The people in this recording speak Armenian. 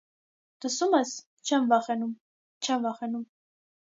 լսո՞ւմ ես, չե՛մ վախենում, չե՛մ վախենում…